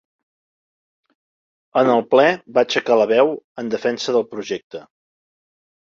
En el ple va aixecar la veu en defensa del projecte.